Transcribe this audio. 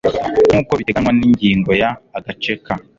nk uko biteganywa n ingingo ya agace ka